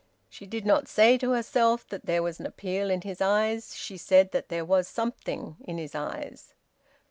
She did not say to herself that there was an appeal in his eyes; she said that there was `something in his eyes.'